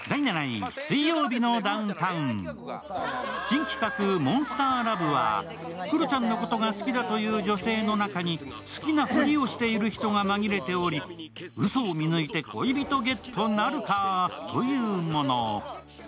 新企画「ＭＯＮＳＴＡＲＬＯＶＥ」は、クロちゃんのことが好きだという女性の中に好きなふりをしている人が紛れておりうそを見抜いて恋人ゲットなるかというもの。